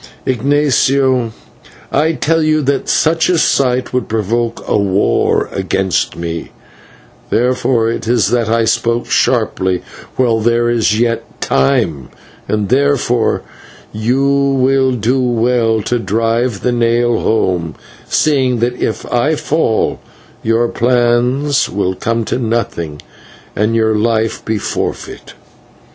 Ignatio, I tell you that such a sight would provoke a war against me, and therefore it is that I spoke sharply while there is yet time, and therefore you will do well to drive the nail home, seeing that if I fall your plans will come to nothing, and your life be forfeit."